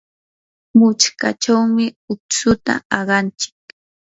muchkachawmi utsuta aqanchik.